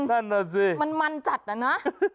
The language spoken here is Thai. นั่นน่ะสิมันมันจัดอะนะ